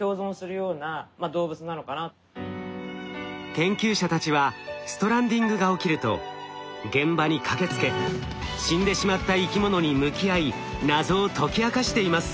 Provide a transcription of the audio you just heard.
研究者たちはストランディングが起きると現場に駆けつけ死んでしまった生き物に向き合い謎を解き明かしています。